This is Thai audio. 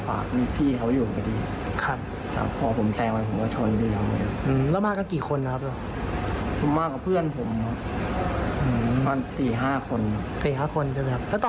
ผมเอารถเกรงกันด้วยครับตอนนี้แฟนผมครับ